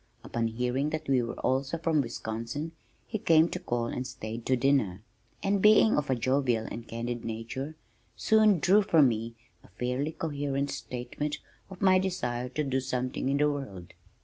Upon hearing that we were also from Wisconsin he came to call and stayed to dinner, and being of a jovial and candid nature soon drew from me a fairly coherent statement of my desire to do something in the world.